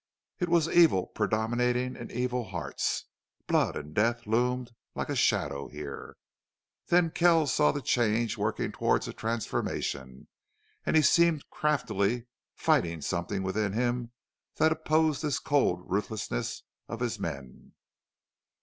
It was evil predominating in evil hearts. Blood and death loomed like a shadow here. The keen Kells saw the change working toward a transformation and he seemed craftily fighting something within him that opposed this cold ruthlessness of his men.